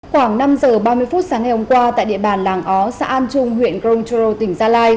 khoảng năm giờ ba mươi phút sáng ngày hôm qua tại địa bàn làng ó xã an trung huyện grongchu tỉnh gia lai